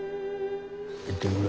行ってくる。